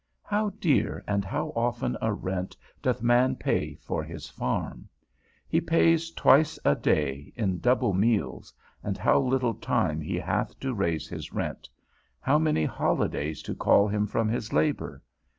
How dear, and how often a rent doth man pay for his farm! He pays twice a day, in double meals, and how little time he hath to raise his rent! How many holidays to call him from his labour!